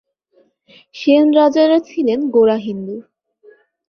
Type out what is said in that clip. সেন রাজারা ছিলেন গোঁড়া হিন্দু।